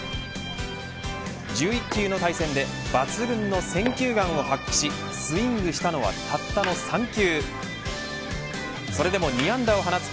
１１弾の対戦で抜群の選球眼を発揮しスイングしたのはたったの３球。